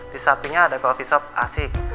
di sampingnya ada coffee shop asik